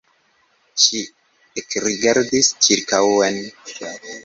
Ŝi ekrigardis ĉirkaŭen.